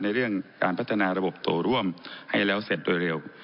เรื่องการพัฒนาระบบตัวร่วมให้แล้วเสร็จโดยเร็ว